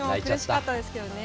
苦しかったですけどね。